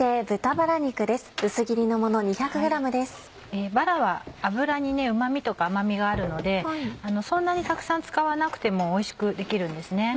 バラは脂にうま味とか甘味があるのでそんなにたくさん使わなくてもおいしくできるんですね。